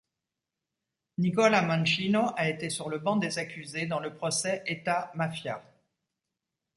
Nicola Mancino a été sur le banc des accusés dans le procès État-Mafia.